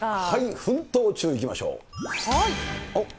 奮闘中、いきましょう。